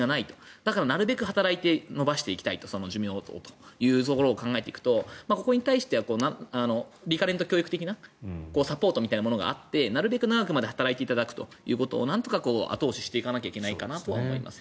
だから、なるべく働いて寿命を延ばしていきたいというところを考えていくとここに対してはリカレント教育的なサポートみたいなものがあってなるべく長く働いてもらうということをなんとか後押ししていかなきゃいけないとは思います。